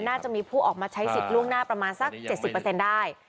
น่าจะมีผู้ออกมาใช้สิทธิ์ล่วงหน้าประมาณสัก๗๐ได้